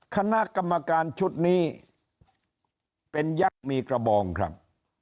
คณะกรรมการชุดนี้เป็นยักษ์มีกระบองครับ